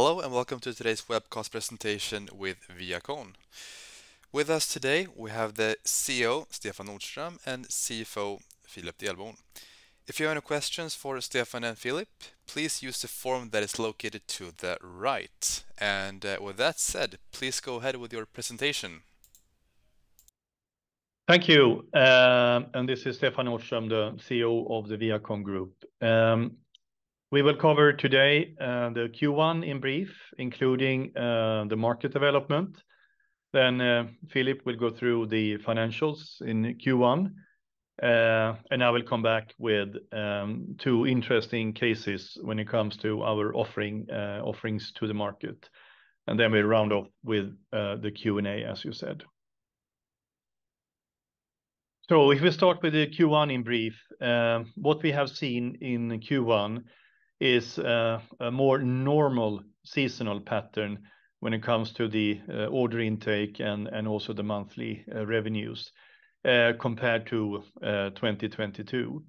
Hello and welcome to today's webcast presentation with ViaCon. With us today we have the CEO, Stefan Nordström, and CFO, Philip Delborn. If you have any questions for Stefan and Philip, please use the form that is located to the right. With that said, please go ahead with your presentation. Thank you. This is Stefan Nordström, the CEO of the ViaCon Group. We will cover today, the Q1 in brief, including the market development. Philip will go through the financials in Q1. I will come back with two interesting cases when it comes to our offerings to the market. We round off with the Q&A, as you said. If we start with the Q1 in brief, what we have seen in Q1 is a more normal seasonal pattern when it comes to the order intake and also the monthly revenues, compared to 2022.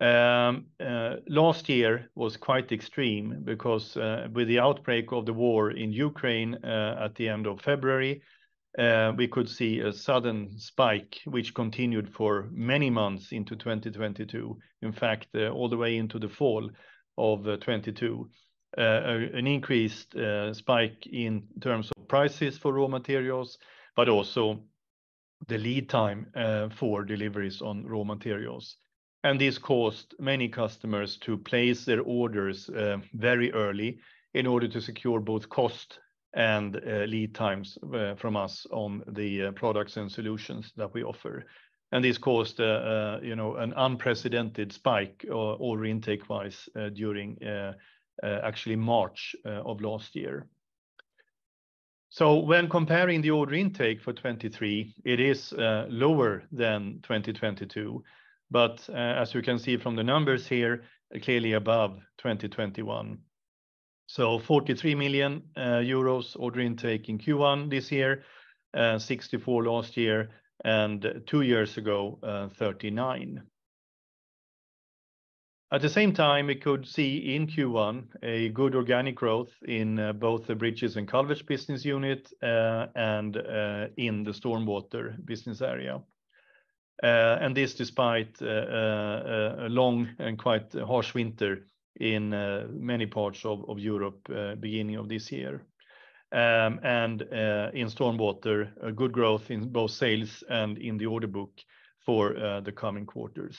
Last year was quite extreme because with the outbreak of the war in Ukraine, at the end of February, we could see a sudden spike, which continued for many months into 2022, in fact, all the way into the fall of 2022. An increased spike in terms of prices for raw materials, but also the lead time for deliveries on raw materials. This caused many customers to place their orders very early in order to secure both cost and lead times from us on the products and solutions that we offer. This caused, you know, an unprecedented spike order intake-wise, during actually March of last year. So when comparing the order intake for 2023, it is lower than 2022. As you can see from the numbers here, clearly above 2021. 43 million euros order intake in Q1 this year, 64 last year, and two years ago, 39. At the same time, we could see in Q1 a good organic growth in both the Bridges & Culverts Solutions, and in the StormWater Solutions. And this despite a long and quite harsh winter in many parts of Europe, beginning of this year. And in StormWater, a good growth in both sales and in the order book for the coming quarters.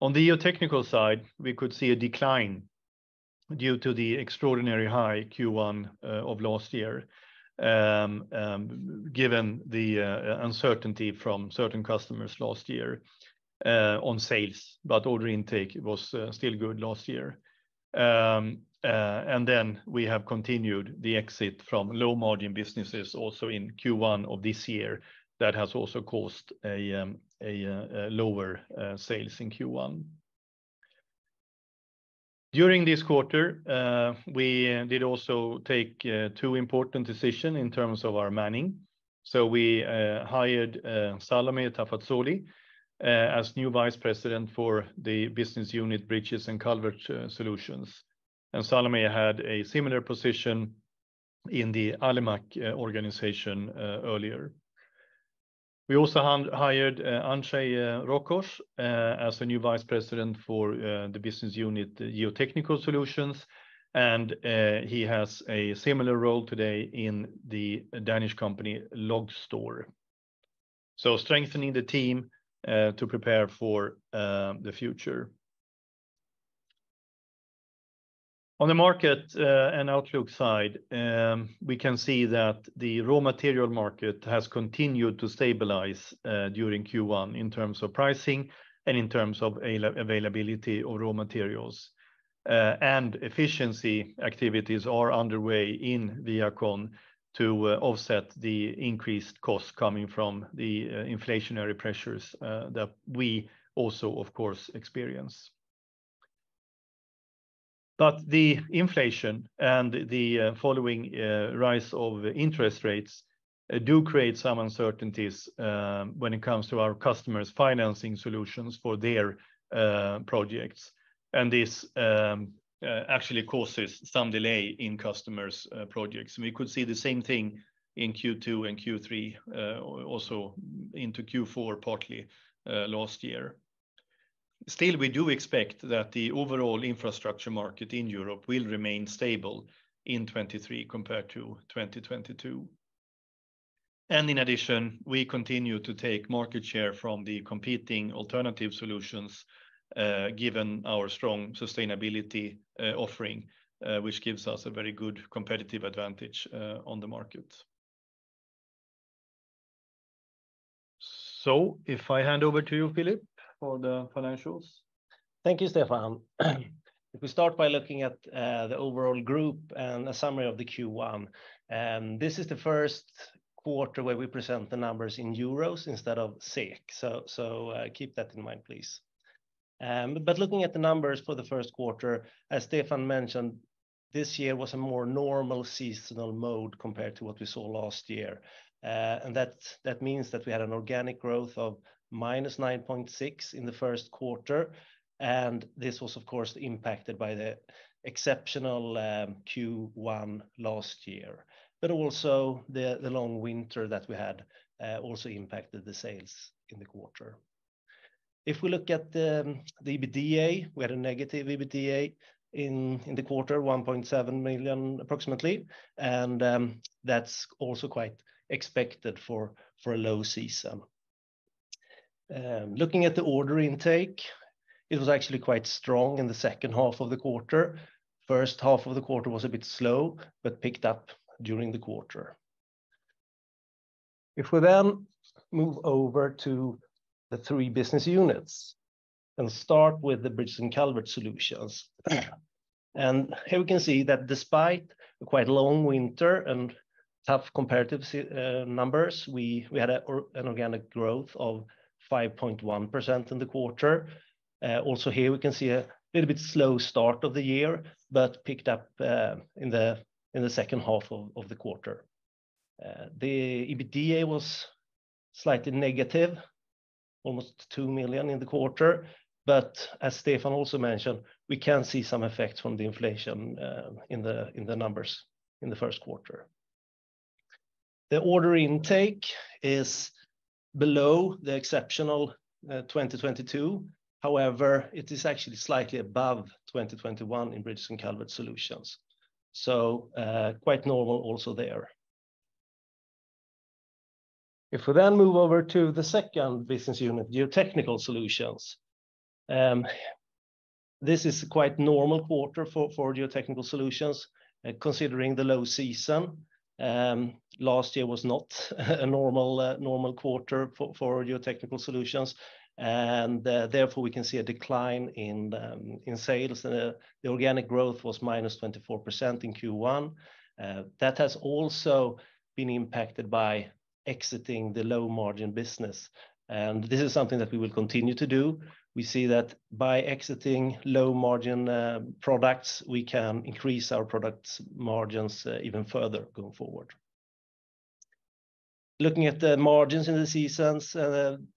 On the GeoTechnical side, we could see a decline due to the extraordinary high Q1 of last year. Given the uncertainty from certain customers last year on sales, but order intake was still good last year. We have continued the exit from low-margin businesses also in Q1 of this year. That has also caused a lower sales in Q1. During this quarter, we did also take two important decision in terms of our manning. We hired Salomeh Tafazoli as new vice president for the business unit Bridges and Culverts Solutions. Salomeh had a similar position in the Alimak organization earlier. We also hand-hired Andrzej Rokosz as the new vice president for the business unit GeoTechnical Solutions, and he has a similar role today in the Danish company LOGSTOR. Strengthening the team to prepare for the future. On the market and outlook side, we can see that the raw material market has continued to stabilize during Q1 in terms of pricing and in terms of availability of raw materials. Efficiency activities are underway in ViaCon to offset the increased cost coming from the inflationary pressures that we also, of course, experience. The inflation and the following rise of interest rates do create some uncertainties when it comes to our customers financing solutions for their projects. This actually causes some delay in customers' projects. We could see the same thing in Q2 and Q3, also into Q4 partly, last year. Still, we do expect that the overall infrastructure market in Europe will remain stable in 2023 compared to 2022. In addition, we continue to take market share from the competing alternative solutions, given our strong sustainability offering, which gives us a very good competitive advantage on the market. If I hand over to you, Philip, for the financials. Thank you, Stefan. We start by looking at the overall Group and a summary of the Q1, this is the first quarter where we present the numbers in euros instead of SEK. Keep that in mind, please. Looking at the numbers for the first quarter, as Stefan mentioned This year was a more normal seasonal mode compared to what we saw last year. That means that we had an organic growth of -9.6% in the first quarter, and this was, of course, impacted by the exceptional Q1 last year. Also, the long winter that we had also impacted the sales in the quarter. Looking at the EBITDA, we had a negative EBITDA in the quarter, 1.7 million approximately, and that's also quite expected for a low season. Looking at the order intake, it was actually quite strong in the second half of the quarter. First half of the quarter was a bit slow but picked up during the quarter. We move over to the three business units and start with the Bridges & Culverts Solutions. Here we can see that despite a quite long winter and tough comparative numbers, we had an organic growth of 5.1% in the quarter. Also here we can see a little bit slow start of the year, but picked up in the second half of the quarter. The EBITDA was slightly negative, almost 2 million in the quarter. As Stefan also mentioned, we can see some effects from the inflation in the numbers in the first quarter. The order intake is below the exceptional 2022. However, it is actually slightly above 2021 in Bridges & Culverts Solutions. Quite normal also there. We move over to the second business unit, Geotechnical Solutions, this is quite normal quarter for Geotechnical Solutions considering the low season. Last year was not a normal quarter for GeoTechnical Solutions. Therefore, we can see a decline in sales. The organic growth was -24% in Q1. That has also been impacted by exiting the low-margin business, and this is something that we will continue to do. We see that by exiting low-margin products, we can increase our products margins even further going forward. Looking at the margins in the seasons,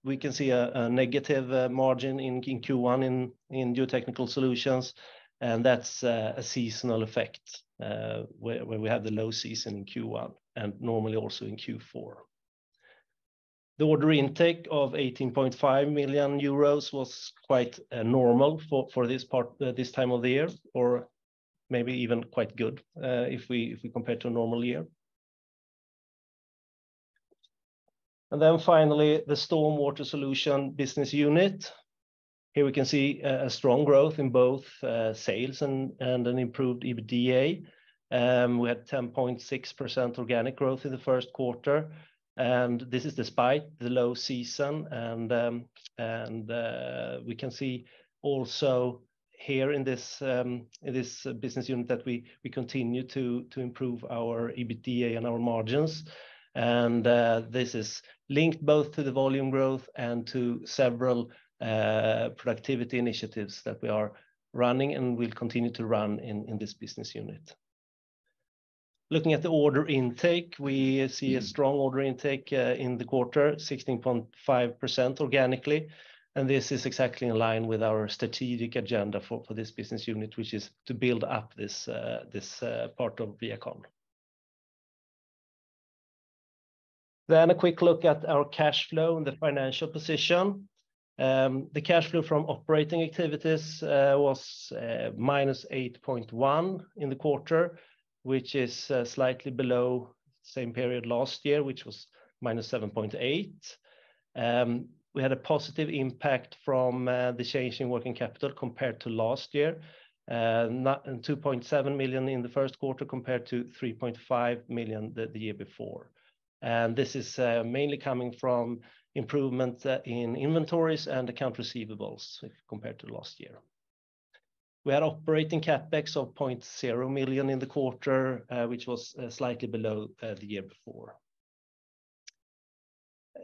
we can see a negative margin in Q1 in GeoTechnical Solutions, and that's a seasonal effect where we have the low season in Q1 and normally also in Q4. The order intake of 18.5 million euros was quite normal for this part, this time of the year, or maybe even quite good, if we compare to a normal year. Finally, the StormWater Solutions business unit. Here we can see a strong growth in both sales and an improved EBITDA. We had 10.6% organic growth in the first quarter, this is despite the low season. We can see also here in this business unit that we continue to improve our EBITDA and our margins. This is linked both to the volume growth and to several productivity initiatives that we are running and will continue to run in this business unit. Looking at the order intake, we see a strong order intake in the quarter, 16.5% organically. This is exactly in line with our strategic agenda for this business unit, which is to build up this part of ViaCon. A quick look at our cash flow and the financial position. The cash flow from operating activities was -8.1 in the quarter, which is slightly below same period last year, which was -7.8. We had a positive impact from the change in working capital compared to last year. 2.7 million in the first quarter compared to 3.5 million the year before. This is mainly coming from improvement in inventories and account receivables compared to last year. We had operating CapEx of 0 million in the quarter, which was slightly below the year before.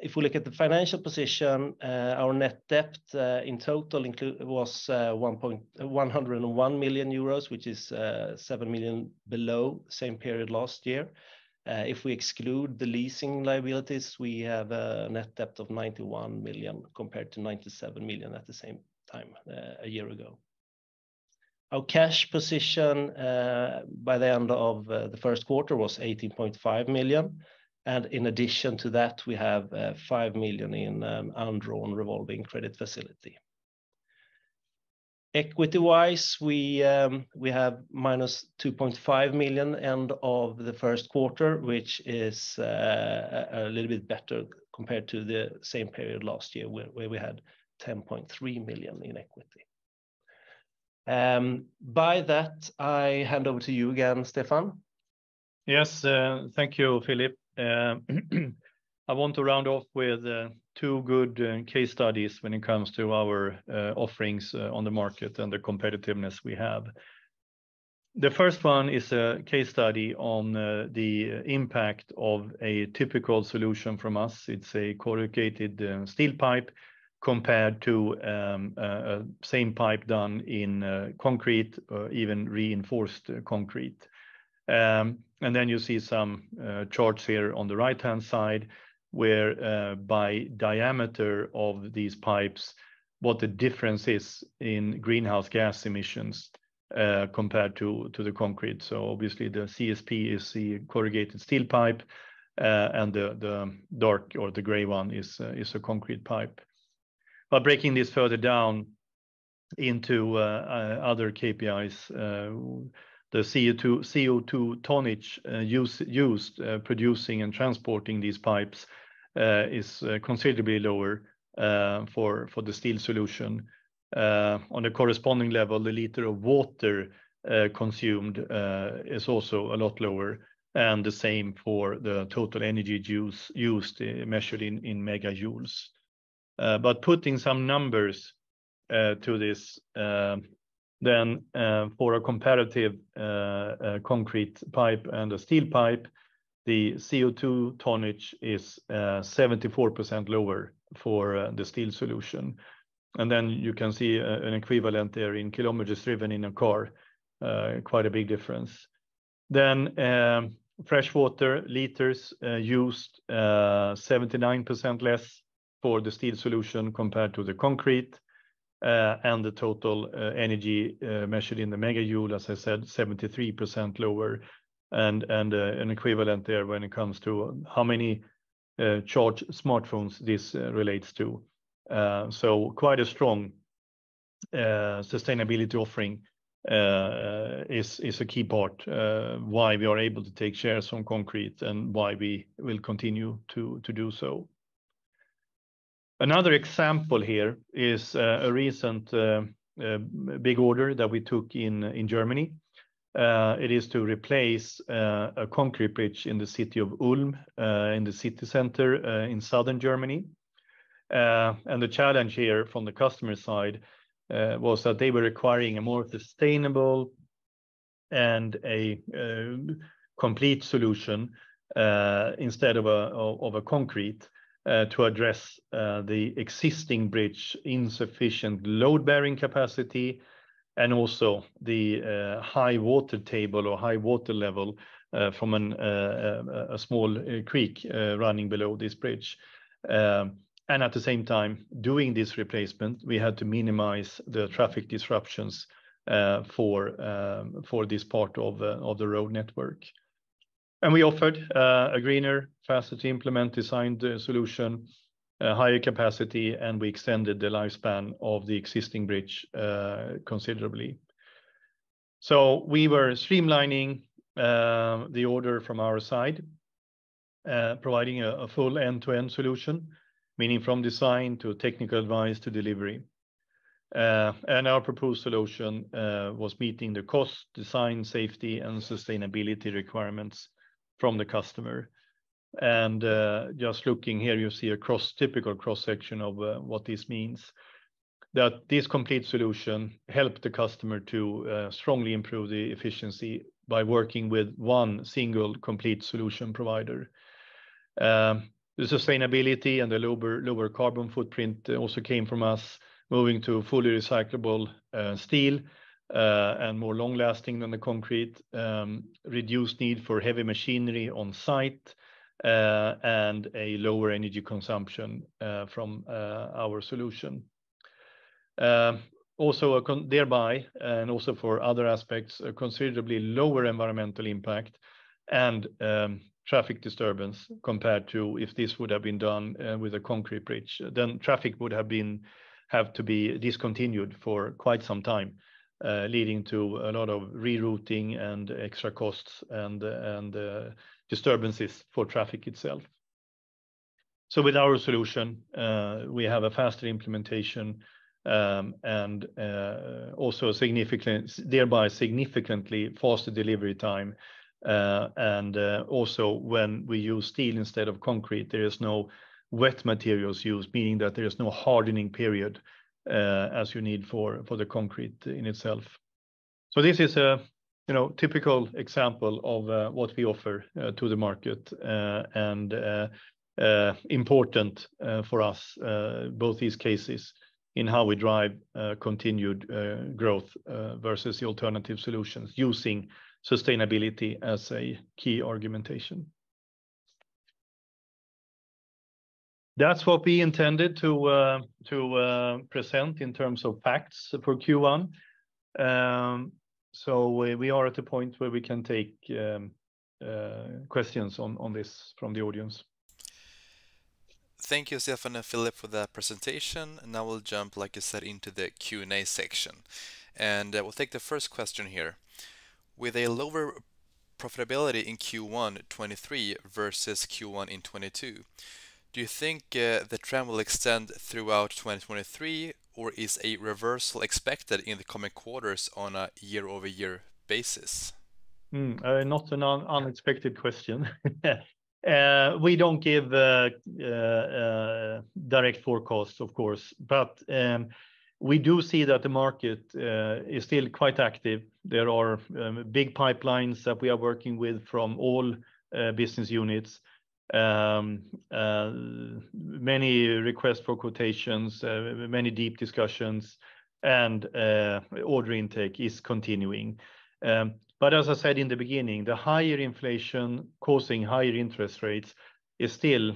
If we look at the financial position, our net debt in total was 101 million euros, which is 7 million below same period last year. If we exclude the leasing liabilities, we have a net debt of 91 million compared to 97 million at the same time a year ago. Our cash position by the end of the first quarter was 18.5 million, and in addition to that, we have 5 million in undrawn revolving credit facility. Equity-wise, we have minus 2.5 million end of the first quarter, which is a little bit better compared to the same period last year where we had 10.3 million in equity. By that, I hand over to you again, Stefan. Yes. Thank you, Philip. I want to round off with two good case studies when it comes to our offerings on the market and the competitiveness we have. The first one is a case study on the impact of a typical solution from us. It's a corrugated steel pipe compared to same pipe done in concrete or even reinforced concrete. Then you see some charts here on the right-hand side where by diameter of these pipes, what the difference is in greenhouse gas emissions compared to the concrete. Obviously, the CSP is the corrugated steel pipe and the dark or the gray one is a concrete pipe. Breaking this further down into other KPIs, the CO2 tonnage used producing and transporting these pipes is considerably lower for the steel solution. On a corresponding level, the liter of water consumed is also a lot lower, and the same for the total energy use measured in megajoules. But putting some numbers to this, then for a comparative concrete pipe and a steel pipe, the CO2 tonnage is 74% lower for the steel solution. You can see an equivalent there in kilometers driven in a car. Quite a big difference. Freshwater liters used 79% less for the steel solution compared to the concrete. The total energy measured in the megajoule, as I said, 73% lower and an equivalent there when it comes to how many charged smartphones this relates to. Quite a strong sustainability offering is a key part why we are able to take shares from concrete and why we will continue to do so. Another example here is a recent big order that we took in Germany. It is to replace a concrete bridge in the city of Ulm, in the city center, in southern Germany. The challenge here from the customer's side was that they were requiring a more sustainable and a complete solution instead of a concrete to address the existing bridge insufficient load-bearing capacity and also the high water table or high water level from a small creek running below this bridge. At the same time, doing this replacement, we had to minimize the traffic disruptions for this part of the road network. We offered a greener, faster-to-implement designed solution, a higher capacity, and we extended the lifespan of the existing bridge considerably. We were streamlining the order from our side, providing a full end-to-end solution, meaning from design to technical advice to delivery. Our proposed solution was meeting the cost, design, safety, and sustainability requirements from the customer. Just looking here, you see a typical cross-section of what this means. That this complete solution helped the customer to strongly improve the efficiency by working with one single complete solution provider. The sustainability and the lower carbon footprint also came from us moving to fully recyclable steel and more long-lasting than the concrete, reduced need for heavy machinery on site and a lower energy consumption from our solution. Thereby, and also for other aspects, a considerably lower environmental impact and traffic disturbance compared to if this would have been done with a concrete bridge. Traffic would have to be discontinued for quite some time, leading to a lot of rerouting and extra costs and disturbances for traffic itself. With our solution, we have a faster implementation and thereby significantly faster delivery time. Also when we use steel instead of concrete, there is no wet materials used, meaning that there is no hardening period, as you need for the concrete in itself. This is a, you know, typical example of what we offer to the market, and important for us, both these cases in how we drive continued growth versus the alternative solutions using sustainability as a key argumentation. That's what we intended to present in terms of facts for Q1. We are at a point where we can take questions on this from the audience. Thank you, Stefan and Philip, for that presentation. Now we'll jump, like I said, into the Q&A section. We'll take the first question here. With a lower profitability in Q1 2023 versus Q1 2022, do you think the trend will extend throughout 2023, or is a reversal expected in the coming quarters on a year-over-year basis? Not an un-unexpected question. We don't give direct forecasts, of course. We do see that the market is still quite active. There are big pipelines that we are working with from all business units. Many requests for quotations, many deep discussions, and order intake is continuing. As I said in the beginning, the higher inflation causing higher interest rates is still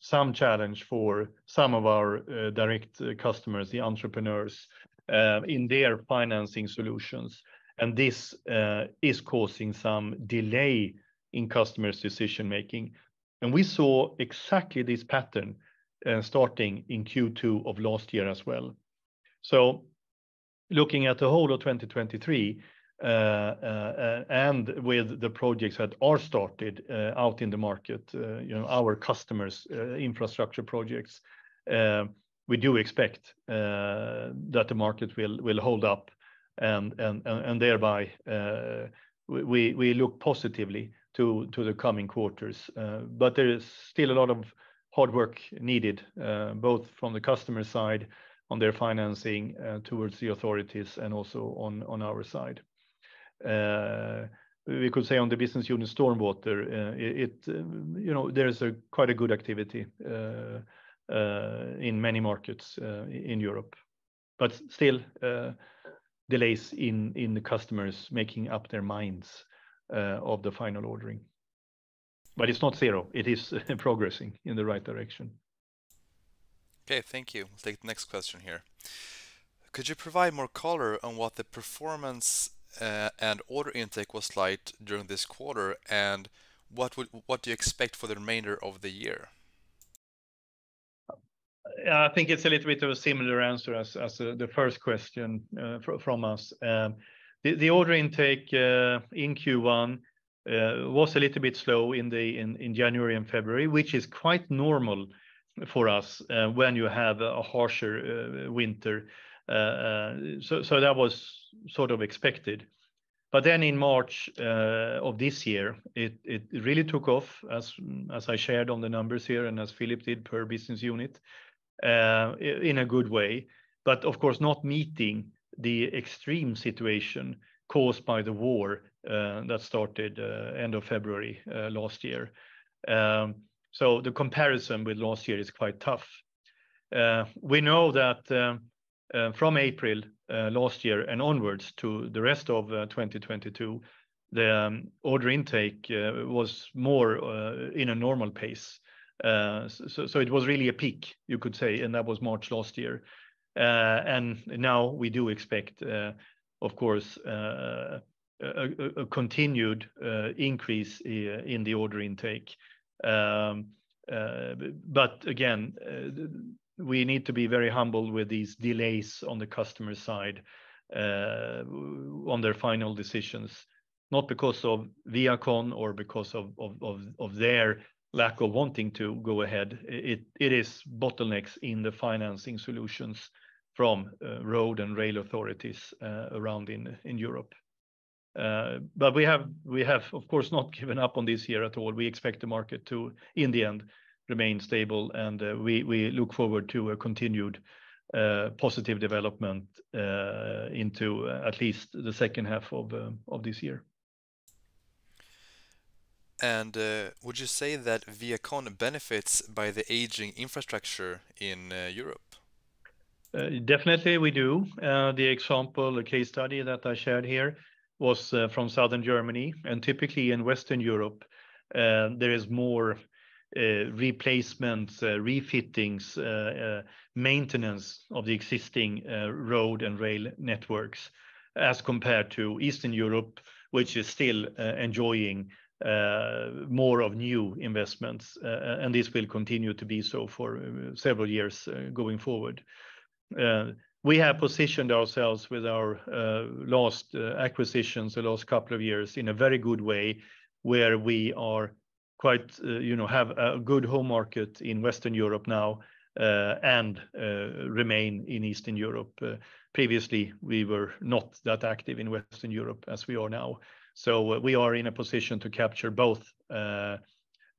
some challenge for some of our direct customers, the entrepreneurs, in their financing solutions. This is causing some delay in customers' decision-making. We saw exactly this pattern starting in Q2 of last year as well. Looking at the whole of 2023, and with the projects that are started out in the market, you know, our customers' infrastructure projects, we do expect that the market will hold up and thereby, we look positively to the coming quarters. There is still a lot of hard work needed, both from the customer side on their financing, towards the authorities and also on our side. We could say on the business unit StormWater, it, you know, there is a quite a good activity in many markets in Europe, but still, delays in the customers making up their minds of the final ordering. It's not zero. It is progressing in the right direction. Okay, thank you. Take the next question here. Could you provide more color on what the performance, and order intake was like during this quarter, and what do you expect for the remainder of the year? I think it's a little bit of a similar answer as the first question from us. The order intake in Q1 was a little bit slow in January and February, which is quite normal for us when you have a harsher winter. That was sort of expected. In March of this year, it really took off as I shared on the numbers here and as Philip did per business unit in a good way, but of course, not meeting the extreme situation caused by the war that started end of February last year. The comparison with last year is quite tough. We know that from April 2022 and onwards to the rest of 2022, the order intake was more in a normal pace. It was really a peak, you could say, and that was March 2022. Now we do expect, of course, a continued increase in the order intake. Again, we need to be very humble with these delays on the customer side, on their final decisions, not because of ViaCon or because of their lack of wanting to go ahead. It is bottlenecks in the financing solutions from road and rail authorities around in Europe. We have, of course, not given up on this year at all. We expect the market to, in the end, remain stable, and we look forward to a continued positive development into at least the second half of this year. would you say that ViaCon benefits by the aging infrastructure in Europe? Definitely we do. The example, the case study that I shared here was from Southern Germany. Typically in Western Europe, there is more replacements, refittings, maintenance of the existing road and rail networks as compared to Eastern Europe, which is still enjoying more of new investments. This will continue to be so for several years going forward. We have positioned ourselves with our last acquisitions the last couple of years in a very good way, where we are quite, you know, have a good home market in Western Europe now, and remain in Eastern Europe. Previously, we were not that active in Western Europe as we are now. We are in a position to capture both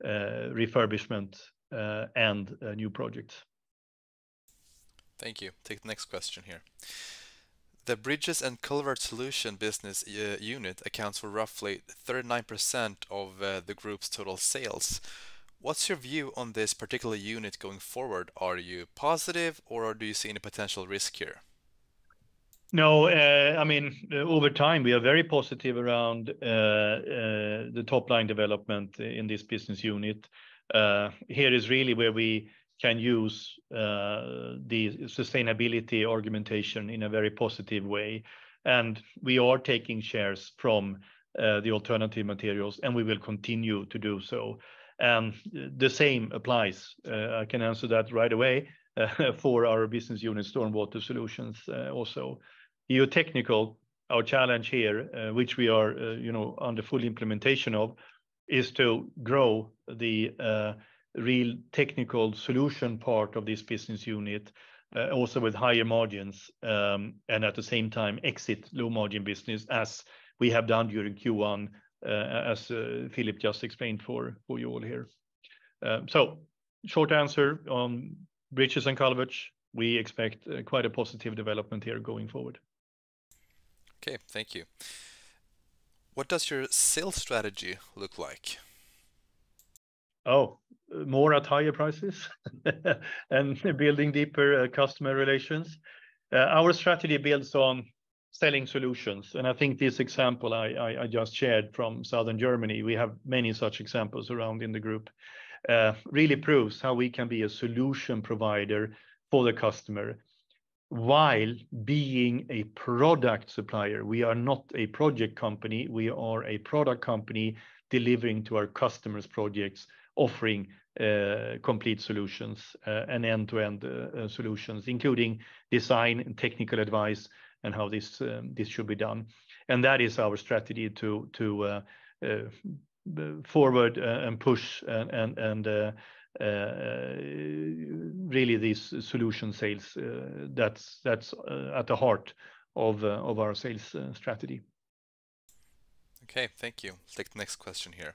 refurbishment and new projects. Thank you. Take the next question here. The Bridges & Culverts Solutions business unit accounts for roughly 39% of the group's total sales. What's your view on this particular unit going forward? Are you positive, or do you see any potential risk here? I mean, over time, we are very positive around the top-line development in this business unit. Here is really where we can use the sustainability argumentation in a very positive way. We are taking shares from the alternative materials, and we will continue to do so. The same applies, I can answer that right away, for our business unit, StormWater Solutions, also. GeoTechnical, our challenge here, which we are, you know, under full implementation of, is to grow the real technical solution part of this business unit, also with higher margins. At the same time exit low margin business as we have done during Q1, as Philip just explained for you all here. Short answer, bridges and culverts, we expect quite a positive development here going forward. Okay. Thank you. What does your sales strategy look like? More at higher prices and building deeper customer relations. Our strategy builds on selling solutions, I think this example I just shared from Southern Germany, we have many such examples around in the group, really proves how we can be a solution provider for the customer while being a product supplier. We are not a project company. We are a product company delivering to our customers projects offering complete solutions and end-to-end solutions, including design and technical advice and how this should be done. That is our strategy to forward and push and really these solution sales, that's at the heart of our sales strategy. Okay. Thank you. Let's take the next question here.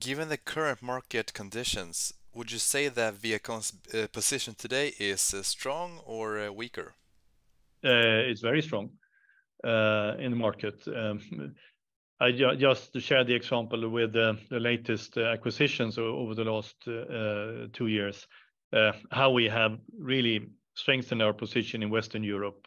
Given the current market conditions, would you say that ViaCon's position today is strong or weaker? It's very strong in the market. Just to share the example with the latest acquisitions over the last two years, how we have really strengthened our position in Western Europe.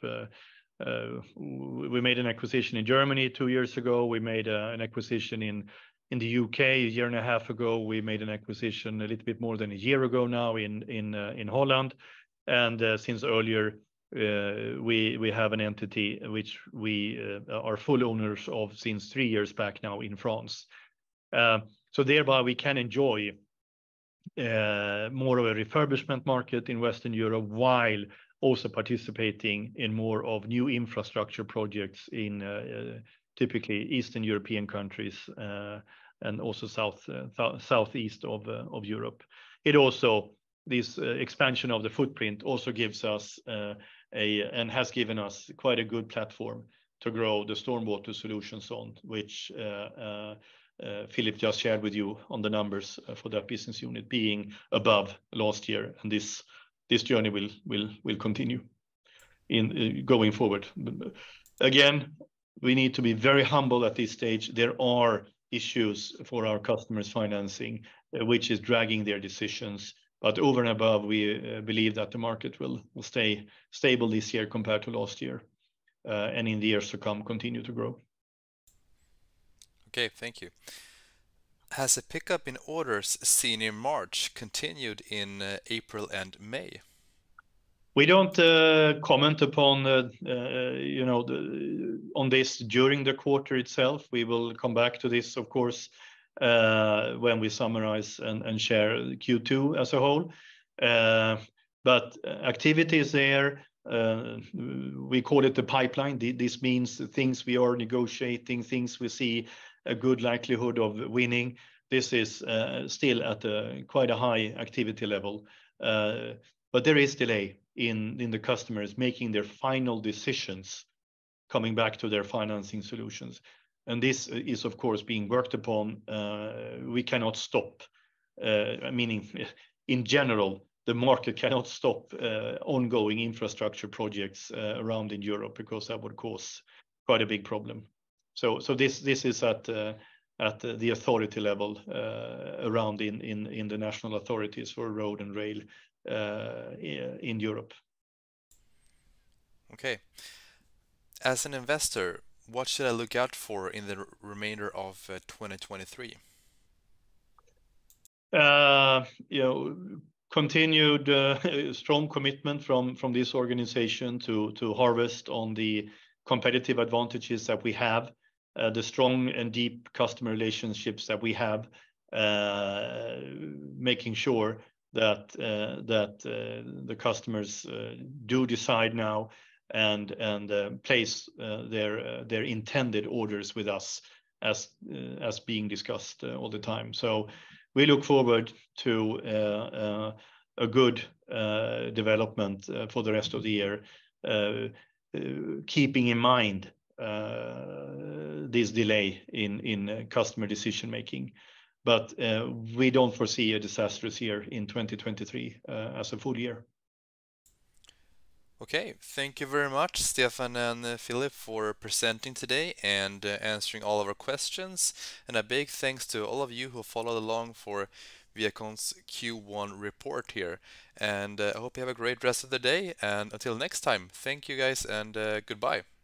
We made an acquisition in Germany two years ago. We made an acquisition in the U.K. one and a half years ago. We made an acquisition a little bit more than 1 year ago now in Holland. Since earlier, we have an entity which we are full owners of since three years back now in France. Thereby we can enjoy more of a refurbishment market in Western Europe while also participating in more of new infrastructure projects in typically Eastern European countries, and also south-southeast of Europe. It also... This expansion of the footprint also gives us and has given us quite a good platform to grow the StormWater Solutions on which Philip just shared with you on the numbers for that business unit being above last year and this journey will continue going forward. Again, we need to be very humble at this stage. There are issues for our customers financing, which is dragging their decisions. Over and above, we believe that the market will stay stable this year compared to last year, and in the years to come, continue to grow. Okay. Thank you. Has the pickup in orders seen in March continued in April and May? We don't comment upon the, you know, the, on this during the quarter itself. We will come back to this, of course, when we summarize and share Q2 as a whole. Activity is there. We call it the pipeline. This means things we are negotiating, things we see a good likelihood of winning. This is still at a quite a high activity level. There is delay in the customers making their final decisions coming back to their financing solutions. This is, of course, being worked upon. We cannot stop, meaning in general, the market cannot stop ongoing infrastructure projects around in Europe because that would cause quite a big problem. This is at the authority level, around in the national authorities for road and rail, in Europe. As an investor, what should I look out for in the remainder of 2023? you know, continued strong commitment from this organization to harvest on the competitive advantages that we have, the strong and deep customer relationships that we have, making sure that, the customers do decide now and, place their intended orders with us as being discussed all the time. We look forward to a good development for the rest of the year, keeping in mind this delay in customer decision-making. We don't foresee a disastrous year in 2023, as a full year. Okay. Thank you very much, Stefan and Philip, for presenting today and answering all of our questions. A big thanks to all of you who followed along for ViaCon's Q1 report here. I hope you have a great rest of the day, and until next time. Thank you, guys, and goodbye.